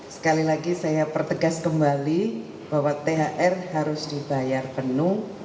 sekali lagi saya pertegas kembali bahwa thr harus dibayar penuh